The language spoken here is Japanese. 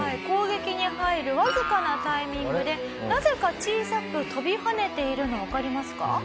攻撃に入るわずかなタイミングでなぜか小さく跳びはねているのわかりますか？